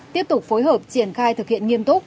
tiếp tục phối hợp triển khai thực hiện nghiêm túc